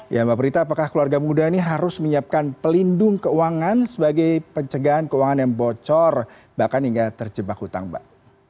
ya mbak prita apakah keluarga muda ini harus menyiapkan pelindung keuangan sebagai pencegahan keuangan yang bocor bahkan hingga terjebak hutang mbak